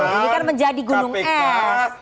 gadung pemecatan kpk